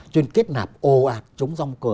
cho nên kết nạp ồ ạc chống dòng cờ